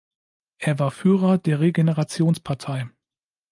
Er war Führer der Regenerationspartei.